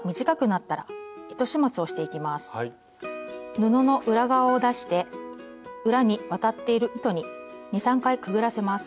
布の裏側を出して裏に渡っている糸に２３回くぐらせます。